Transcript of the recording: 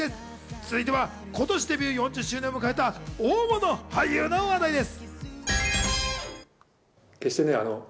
続いては今年デビュー４０周年を迎えた大物俳優の話題です。